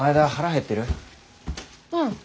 うん。